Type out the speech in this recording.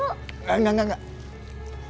enggak enggak enggak